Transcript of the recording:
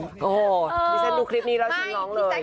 อ๋อพี่ไปดูคลิปนี้แล้วที่น้องเลย